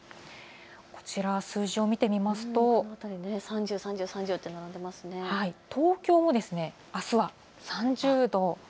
こちら、数字を見てみますと、東京、あすは３０度。